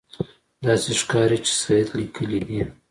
داسې ښکاري چې سید لیکلي دي.